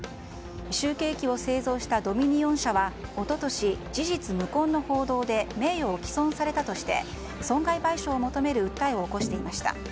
集計機を製造したドミニオン社は一昨年、事実無根の報道で名誉を棄損されたとして損害賠償を求める訴えを起こしていました。